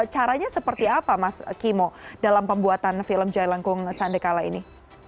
caranya seperti apa mas kimo dalam pembuatan film jailengkung sandekala ini